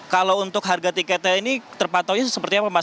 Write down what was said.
kalau untuk harga tiketnya ini terpantaunya seperti apa mas